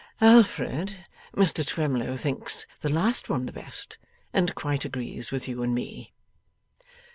Alfred, Mr Twemlow thinks the last one the best, and quite agrees with you and me.